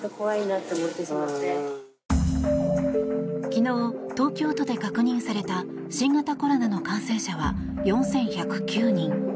昨日、東京都で確認された新型コロナの感染者は４１０９人。